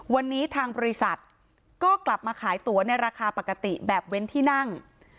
วันนี้ทางบริษัทก็กลับมาขายตัวในราคาปกติแบบเว้นที่นั่ง